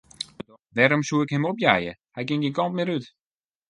Wêrom soe ik him opjeie, hy kin gjin kant mear út.